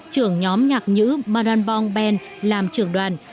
trưởng nhóm nhạc nhữ maranbong band làm trưởng đoàn